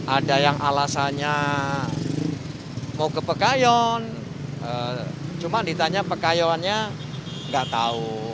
ada yang alasannya mau ke pekayon cuma ditanya pekayonnya nggak tahu